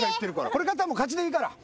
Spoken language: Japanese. これ勝ったら勝ちでいいから。